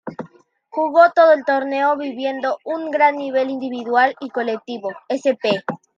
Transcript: Jugó todo el torneo, viviendo un gran nivel individual y colectivo, Sp.